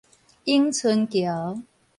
永春橋